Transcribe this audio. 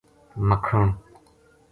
مکھن